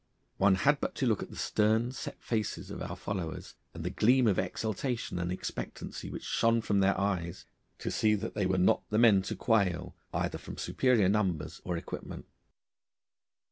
One had but to look at the stern, set faces of our followers, and the gleam of exultation and expectancy which shone from their eyes, to see that they were not the men to quail, either from superior numbers or equipment.